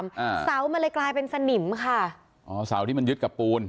อ่าเสามันเลยกลายเป็นสนิมค่ะอ๋อเสาที่มันยึดกับปูน